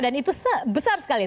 dan itu besar sekali